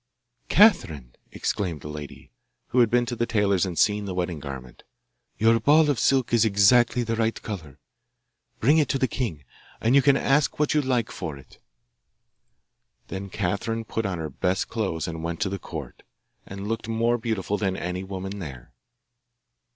'Catherine!' exclaimed the lady, who had been to the tailors and seen the wedding garment, 'your ball of silk is exactly the right colour. Bring it to the king, and you can ask what you like for it.' Then Catherine put on her best clothes and went to the court, and looked more beautiful than any woman there.